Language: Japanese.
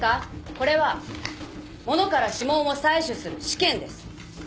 これは物から指紋を採取する試験です。